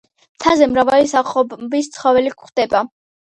მთაზე მრავალი სახეობის ცხოველი გვხვდება.